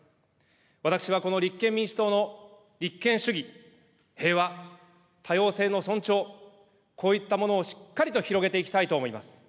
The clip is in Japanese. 私はこの立憲民主党の立憲主義、平和、多様性の尊重、こういったものをしっかりと広げていきたいと思います。